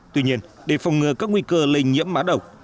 tuy nhiên để phòng ngừa các nguy cơ lây nhiễm mã độc